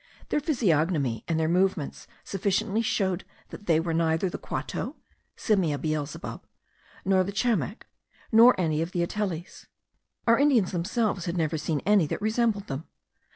Their physiognomy and their movements sufficiently showed that they were neither the quato (Simia beelzebub) nor the chamek, nor any of the Ateles. Our Indians themselves had never seen any that resembled them.